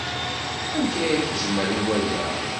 Amek ay tezmer i waya?